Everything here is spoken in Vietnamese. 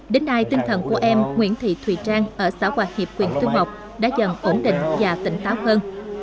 đến nay tinh thần của em nguyễn thị thùy trang ở xã hòa hiệp huyện xuân mộc đã dần ổn định và tỉnh táo hơn